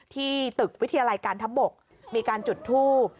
ที่ตึกวิทยาลัยการทับบกมีการจุดทูบ